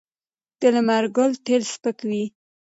د لمر ګل تېل سپک وي.